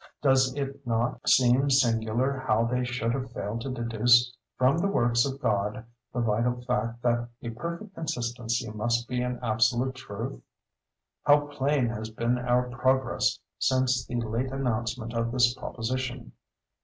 Does it not seem singular how they should have failed to deduce from the works of God the vital fact that a perfect consistency must be an absolute truth! How plain has been our progress since the late announcement of this proposition!